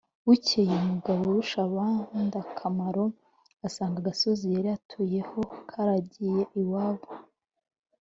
bukeye mugaburushabandakamaro asanga agasozi yari atuyeho karagiye iwabo.